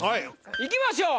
いきましょう